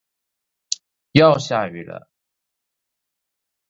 又下雨了！